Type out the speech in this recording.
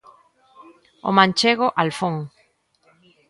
O manchego Alfón.